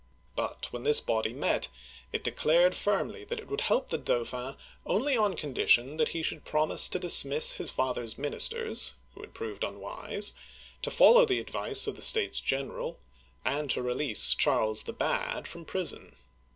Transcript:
But, when this body met, it declared firmly that it would help the Dauphin only on condition that he should promise to dismiss his father's ministers, — who had proved unwise, — to follow the advice of the States General, and to release Charles the Bad from prison.